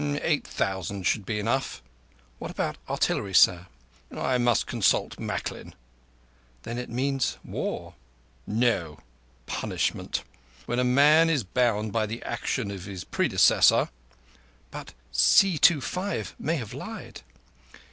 Eight thousand should be enough." "What about artillery, sir?" "I must consult Macklin." "Then it means war?" "No. Punishment. When a man is bound by the action of his predecessor—" "But C25 may have lied."